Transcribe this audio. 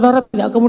tidak bisa kebetulan